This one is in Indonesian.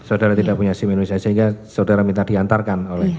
saudara tidak punya sim indonesia sehingga saudara minta diantarkan oleh